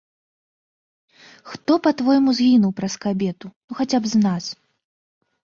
Хто, па-твойму, згінуў праз кабету, ну хаця б з нас.